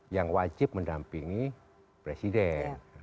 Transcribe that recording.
yang wajib mendampingi presiden